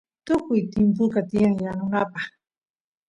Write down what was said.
tukuy timpusqa tiyan yanunapaq